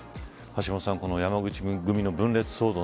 橋下さん、山口組の分裂騒動